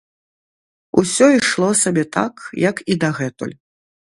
Усё ішло сабе так, як і дагэтуль.